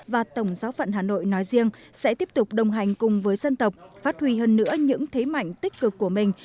và tổng giáo phận hà nội nói riêng sẽ tiếp tục đồng hành cùng với dân tộc phát huy hơn nữa những thế mạnh tích cực của mình